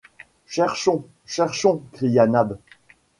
Cherchons ! cherchons ! cria Nab.